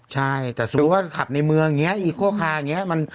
ใช่แต่สมมุติว่าขับในเมืองอย่างนี้อีกโฆคาอย่างนี้